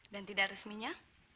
dan tidak resminya